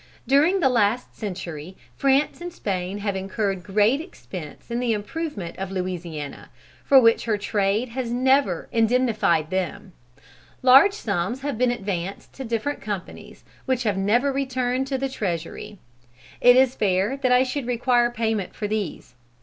During the last century, France and Spain have incurred great expense in the improvement of Louisiana, for which her trade has never indemnified them. Large sums have been advanced to different companies, which have never returned to the treasury. It is fair that I should require payment for these.